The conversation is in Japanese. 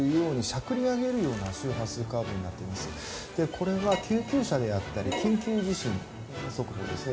これは救急車であったり緊急地震速報ですね